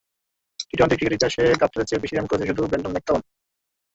T twenty ক্রিকেটের ইতিহাসে গাপটিলের চেয়ে বেশি রান করেছেন শুধু ব্রেন্ডন ম্যাককালাম।